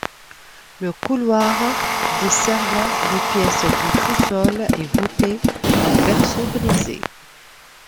Le couloir desservant les pièces du sous-sol est voûté en berceau brisé.